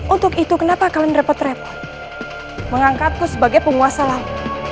untuk itu kenapa kalian repot repot mengangkatku sebagai penguasa laut